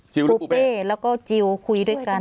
รูปเป้แล้วก็จิลคุยด้วยกัน